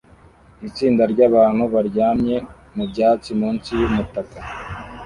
Itsinda ryabantu baryamye mubyatsi munsi yumutaka